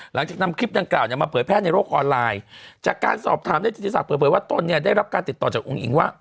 หลังจากนำคลิปดังกล่าวเนี่ยมาเผยแพร่ในโลกออนไลน์จากการสอบถามในจิตศักดิเผยว่าตนเนี่ยได้รับการติดต่อจากอุ้งอิงว่า